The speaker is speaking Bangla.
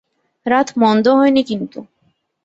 রাত মন্দ হয় নি কিন্তু।